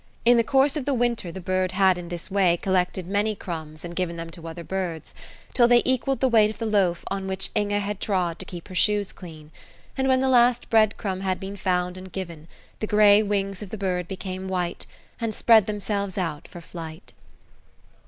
In the course of the winter the bird had in this way collected many crumbs and given them to other birds, till they equalled the weight of the loaf on which Inge had trod to keep her shoes clean; and when the last bread crumb had been found and given, the gray wings of the bird became white, and spread themselves out for flight.